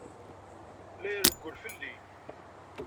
La irewwel fell-i.